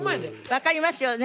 わかりますよね。